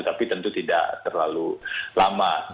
tapi tentu tidak terlalu lama